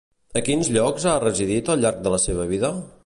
A quins llocs ha residit al llarg de la seva vida?